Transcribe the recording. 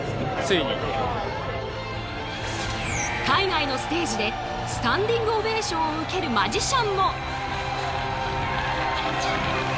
海外のステージでスタンディングオベーションを受けるマジシャンも。